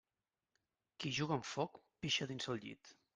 Qui juga amb foc pixa dins el llit.